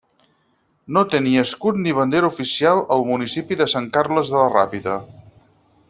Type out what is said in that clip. No té ni escut ni bandera oficial el municipi de Sant Carles de la Ràpita.